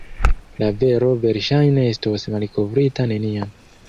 La vero verŝajne estos malkovrita neniam.